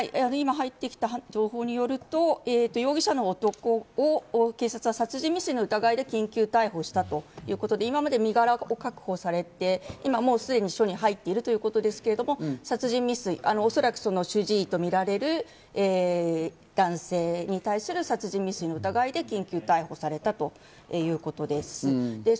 今、入ってきた情報によると容疑者の男を警察は殺人未遂の疑いで緊急逮捕したということで今まで身柄を確保されて、今すでに署に入ってるということですけれども、殺人未遂、おそらく主治医とみられる男性に対する殺人未遂の疑いで緊急逮捕されたということです。